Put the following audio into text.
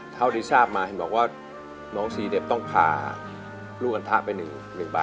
เท่าที่ทราบมาเห็นบอกว่าน้องซีเด็ดต้องพาลูกอันทะไป๑บาท